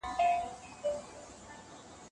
که حضوري چاپيريال برابر وي د تمرکز کچه لوړېږي.